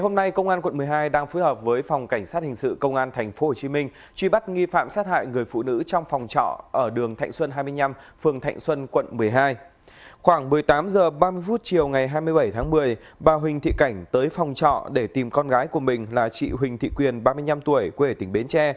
khoảng một mươi tám h ba mươi phút chiều ngày hai mươi bảy tháng một mươi bà huỳnh thị cảnh tới phòng trọ để tìm con gái của mình là chị huỳnh thị quyền ba mươi năm tuổi quê tỉnh bến tre